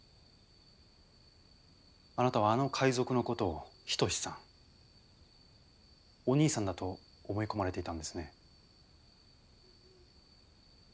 あなたはあの海賊の事を一さんお兄さんだと思い込まれていたんですね。